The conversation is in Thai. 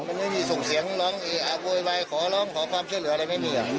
มันไม่มีส่งเสียงร้องเออะโวยวายขอร้องขอความช่วยเหลืออะไรไม่มี